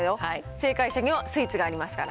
正解者にはスイーツがありますから。